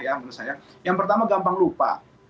yang pertama gampang lupa